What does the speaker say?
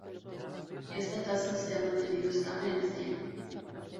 Esta tasa se ha mantenido estable en el tiempo.